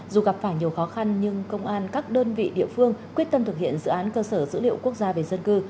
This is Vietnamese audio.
dù gặp phải nhiều khó khăn nhưng công an các đơn vị địa phương quyết tâm thực hiện dự án cơ sở dữ liệu quốc gia về dân cư